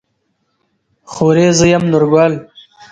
خورې زه يم نورګل.